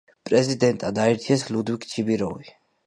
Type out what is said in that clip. პრეზიდენტად აირჩიეს ლუდვიგ ჩიბიროვი.